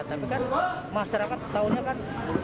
tapi kan masyarakat taunya kan